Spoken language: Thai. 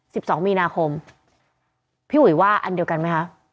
สิบสองมีนาคมพี่อุ๋ยว่าอันเดียวกันไหมคะ